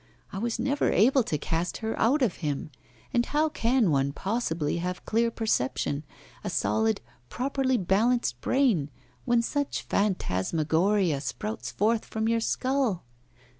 I was never able to cast her out of him. And how can one possibly have clear perception, a solid, properly balanced brain when such phantasmagoria sprouts forth from your skull?